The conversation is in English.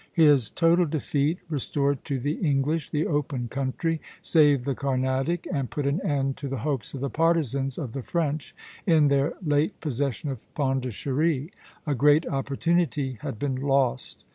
His total defeat restored to the English the open country, saved the Carnatic, and put an end to the hopes of the partisans of the French in their late possession of Pondicherry. A great opportunity had been lost.